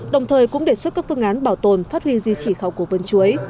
đồng thời cũng đề xuất các phương án bảo tồn phát huy di trị khảo cổ vườn chuối